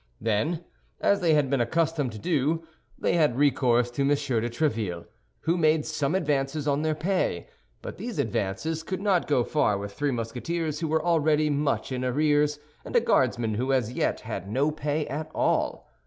Then, as they had been accustomed to do, they had recourse to M. de Tréville, who made some advances on their pay; but these advances could not go far with three Musketeers who were already much in arrears and a Guardsman who as yet had no pay at all.